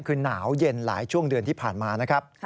คือหนาวเย็นหลายช่วงเดือนที่ผ่านมานะครับ